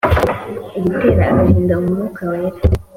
Gutera agahinda umwuka wera